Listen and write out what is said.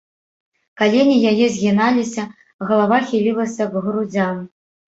Калені яе згіналіся, галава хілілася к грудзям.